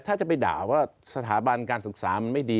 ถ้าจะไปด่าว่าสถาบันการศึกษามันไม่ดี